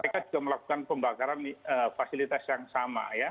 mereka juga melakukan pembakaran fasilitas yang sama ya